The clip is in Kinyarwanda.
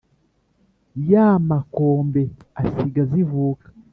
Ya makombe asiga zivuka,